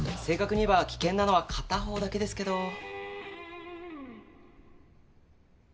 正確に言えば危険なのは片方だけですけど。